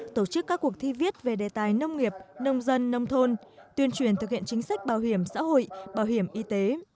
tổ chức các cuộc thi viết về đề tài nông nghiệp nông dân nông thôn tuyên truyền thực hiện chính sách bảo hiểm xã hội bảo hiểm y tế